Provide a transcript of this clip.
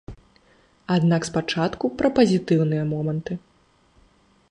Аднак спачатку пра пазітыўныя моманты.